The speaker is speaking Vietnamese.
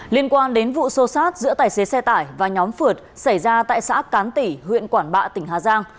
liên quan đến vụ sô sát giữa tài xế xe tải và nhóm phượt xảy ra tại xã cán tỉ huyện quảng bạ tỉnh hà giang